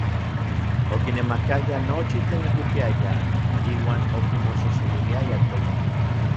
Okinemakayaj nochi tlen okipiayaj iuan okimoxexeliliayaj tomin.